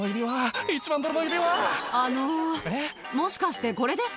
あのもしかしてこれですか？